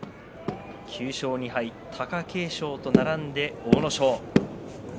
９勝２敗貴景勝と並んで阿武咲。